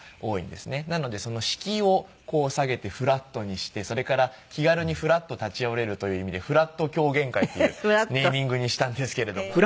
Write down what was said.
なのでその敷居を下げてフラットにしてそれから気軽にフラッと立ち寄れるという意味でふらっと狂言会っていうネーミングにしたんですけれども。